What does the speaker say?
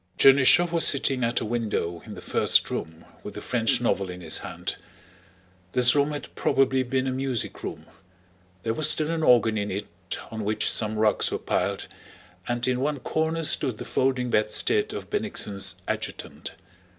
Chernýshev was sitting at a window in the first room with a French novel in his hand. This room had probably been a music room; there was still an organ in it on which some rugs were piled, and in one corner stood the folding bedstead of Bennigsen's adjutant.